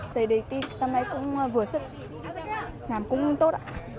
đề đề thi năm nay cũng vừa sức làm cũng tốt